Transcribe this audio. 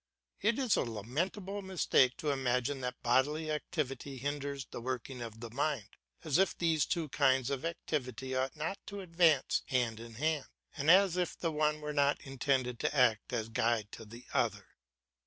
It is a lamentable mistake to imagine that bodily activity hinders the working of the mind, as if these two kinds of activity ought not to advance hand in hand, and as if the one were not intended to act as guide to the other.